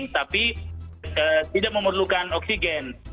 tapi tidak memerlukan oksigen